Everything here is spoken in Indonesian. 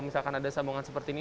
jika akan ada sambungan seperti ini